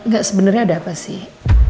gak sebenarnya ada apa sih